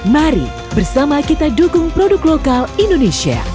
mari bersama kita dukung produk lokal indonesia